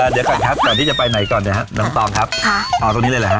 เดี๋ยวก่อนครับก่อนที่จะไปไหนก่อนเดี๋ยวฮะน้องตองครับค่ะเอาตรงนี้เลยเหรอฮ